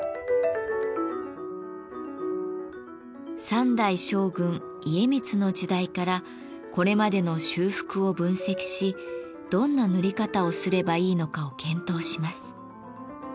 三代将軍家光の時代からこれまでの修復を分析しどんな塗り方をすればいいのかを検討します。